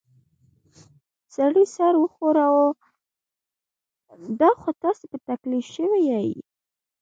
سړي سر وښوراوه: دا خو تاسې په تکلیف شوي ییۍ.